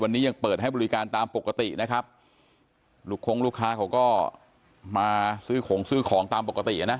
วันนี้ยังเปิดให้บริการตามปกตินะครับลูกคงลูกค้าเขาก็มาซื้อของซื้อของตามปกติอ่ะนะ